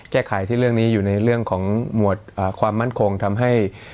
แก้ไขที่เรื่องนี้อยู่ในเรื่องของหมวดความมั่นคงทำให้